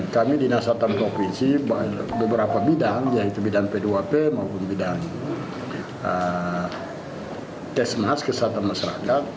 kami di dasar provinsi beberapa bidang yaitu bidang p dua p maupun bidang tesmas kesehatan masyarakat